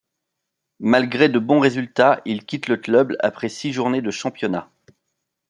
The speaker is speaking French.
Malgré de bons résultats il quitte le club, après six journée de championnat.